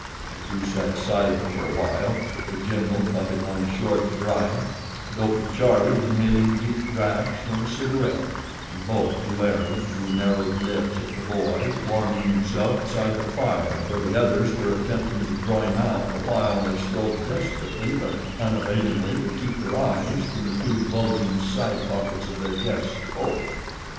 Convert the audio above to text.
The two sat silent for a while, The General puffing on a short briar, Dopey Charlie inhaling deep draughts from a cigarette, and both glaring through narrowed lids at the boy warming himself beside the fire where the others were attempting to draw him out the while they strove desperately but unavailingly to keep their eyes from the two bulging sidepockets of their guest's coat.